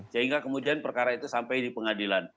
sehingga kemudian perkara itu sampai di pengadilan